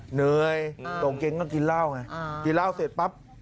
เหนื่อยตรงเก้งก็กินเหล้าไงกินเหล้าเสร็จปั๊บ